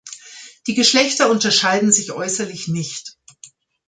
Die Geschlechter unterscheiden sich äußerlich nicht.